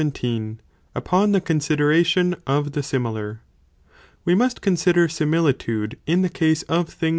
—Upon the Consideration of the Similar? WE must consider similitude in the case of things | e ry Φ 1.